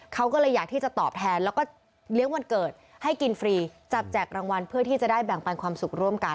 เขาก็เลยอยากที่จะตอบแทนแล้วก็เลี้ยงวันเกิดให้กินฟรีจับแจกรางวัลเพื่อที่จะได้แบ่งปันความสุขร่วมกัน